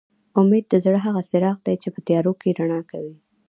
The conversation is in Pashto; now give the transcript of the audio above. اميد د زړه هغه څراغ دي چې په تيارو کې رڼا کوي